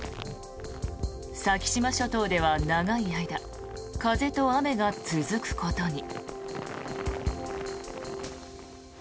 先島諸島では長い間風と雨が続くことに。